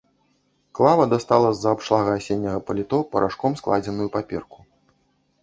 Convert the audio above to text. Клава дастала з-за абшлага асенняга паліто парашком складзеную паперку.